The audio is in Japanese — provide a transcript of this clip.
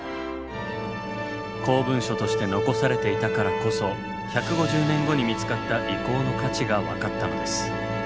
公文書として残されていたからこそ１５０年後に見つかった遺構の価値が分かったのです。